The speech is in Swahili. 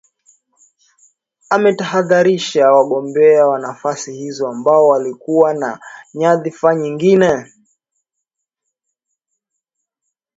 ametahadharisha wagombea wa nafasi hizo ambao walikuwa na nyadhifa nyingine